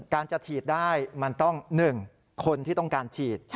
การจะฉีดได้มันต้อง๑คนที่ต้องการฉีด